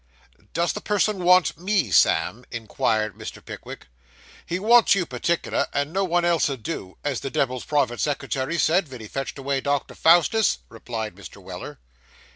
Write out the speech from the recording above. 'Does the person want me, Sam?' inquired Mr. Pickwick. 'He wants you partickler; and no one else 'll do, as the devil's private secretary said ven he fetched avay Doctor Faustus,' replied Mr. Weller.